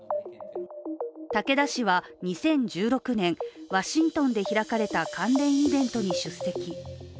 武田氏は２０１６年、ワシントンで開かれた関連イベントに出席。